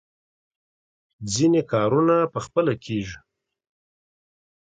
ځینې کارونه په خپله کېږي.